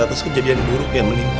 atas kejadian buruk yang menimpa